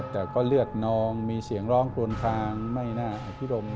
แต่ก็เลือดนองมีเสียงร้องกลวนคลางไม่น่าอภิรม